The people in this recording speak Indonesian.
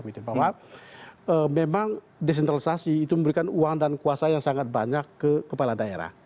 bahwa memang desentralisasi itu memberikan uang dan kuasa yang sangat banyak ke kepala daerah